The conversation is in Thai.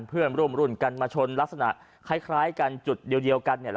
เพื่อนร่วมรุ่นกันมาชนลักษณะคล้ายกันจุดเดียวกัน